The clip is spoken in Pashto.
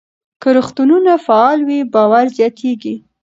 که روغتونونه فعال وي، باور زیاتېږي.